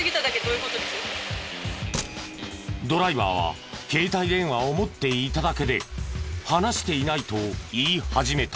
ドライバーは携帯電話を持っていただけで話していないと言い始めた。